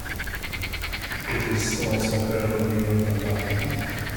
It is also heard in Europe and Africa.